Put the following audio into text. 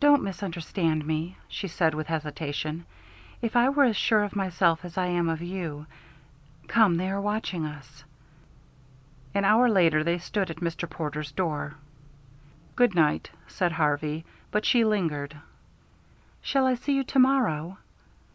"Don't misunderstand me," she said with hesitation. "If I were as sure of myself as I am of you Come, they are watching us." An hour later they stood at Mr. Porter's door. "Good night," said Harvey, but she lingered. "Shall I see you to morrow?"